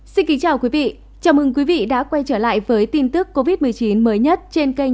xin kính chào quý vị chào mừng quý vị đã quay trở lại với tin tức covid một mươi chín mới nhất trên kênh